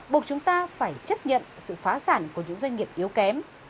buộc chúng ta phải chấp nhận sự phá sản của những doanh nghiệp yếu kém